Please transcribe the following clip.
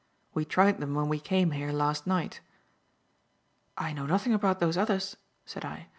We tried them when we came here last night." "I know nothing about those others," said I.